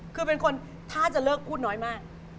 คือเป็นคนถ้าจะเลิกพูดน้อยมาก